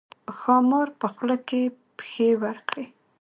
ښامار په خوله کې پښې ورکړې.